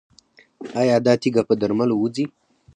ایا دا تیږه په درملو وځي؟